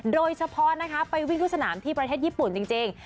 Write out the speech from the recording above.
โดยเฉพาะนะคะไปวิ่งทุกสนามที่ประเทศญี่ปุ่นจริง